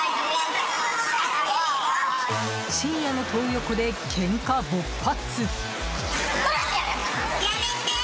深夜のトー横でけんか勃発。